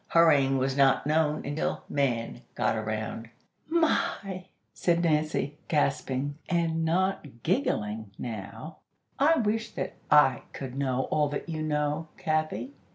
Hurrying was not known until Man got around." "My!" said Nancy, gasping, and not giggling now, "I wish that I could know all that you know, Kathy.